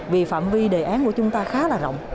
vì phạm vi đề án của chúng ta khá là rộng